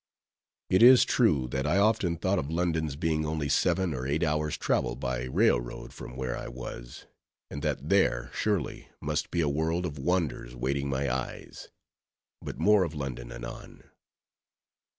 It is true, that I often thought of London's being only seven or eight hours' travel by railroad from where I was; and that there, surely, must be a world of wonders waiting my eyes: but more of London anon.